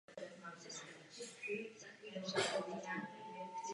V takovém případě je v náměstí zařazeno podle posledního používaného názvu.